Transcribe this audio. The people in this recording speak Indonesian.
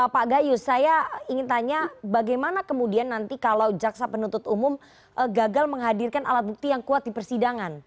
pak gayus saya ingin tanya bagaimana kemudian nanti kalau jaksa penuntut umum gagal menghadirkan alat bukti yang kuat di persidangan